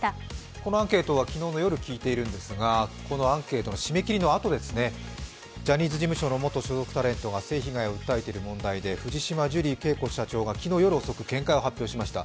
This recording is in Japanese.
このアンケートは昨日の夜、聞いているんですがこのアンケートの締め切りのあとですね、ジャニーズ事務所で性被害を訴えている問題で藤島ジュリー景子社長が昨日夜遅く、見解を発表しました。